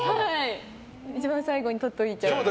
一番最後に取っておいちゃう。